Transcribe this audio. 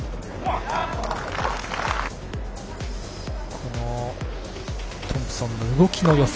このトンプソンの動きのよさ